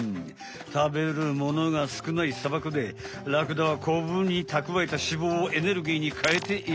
たべるものがすくない砂漠でラクダはコブにたくわえた脂肪をエネルギーにかえているんだ。